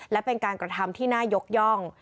และเป็นการกระทำที่น่ายกย่อง